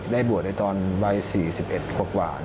ได้บวชในตอนวัย๔๑กว่า